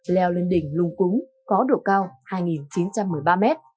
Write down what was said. leo lên đỉnh lung cúng có độ cao hai chín trăm một mươi ba m